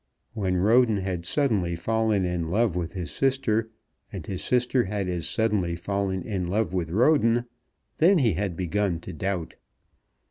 When Roden had suddenly fallen in love with his sister, and his sister had as suddenly fallen in love with Roden, then he had begun to doubt.